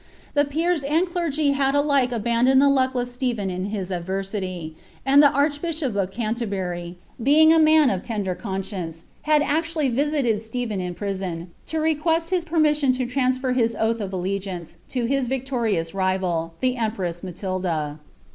The peera and clei^y had alike abandoned the luckiest .ipben in his adversity; anil the archbishop of Canterbury, being I ...in a( lender conscienee, had actually visited Stephen in prison, lO jL^joeai hb permission to transfer his oath of allegiance to bis victorioiif fiial, tlw cnipreis Matilda.